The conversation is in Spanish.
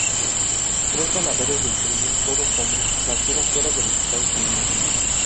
Tres ganadores del premio, todos hombres, nacieron fuera de los Estados Unidos.